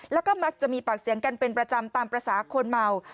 แล้วก็มักจะมีปากเสียงกันเป็นประจำตามภาษาคนเมา